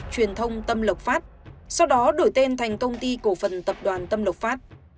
truyền thông tâm lộc phát sau đó đổi tên thành công ty cổ phần tập đoàn tâm lộc phát